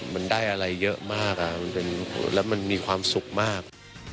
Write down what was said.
มันได้อะไรเยอะมากแล้วมันมีความสุขมาก